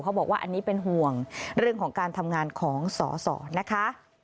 บอกว่าอันนี้เป็นห่วงเรื่องของการทำงานของสอสอนะคะ